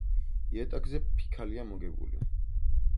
იატაკზე ფიქალია მოგებული.